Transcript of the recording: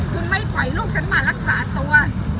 คุณไม่ปล่อยลูกฉันมารักษาตัว